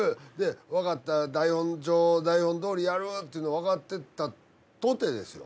わかった台本上台本どおりやるっていうのはわかってたとてですよ。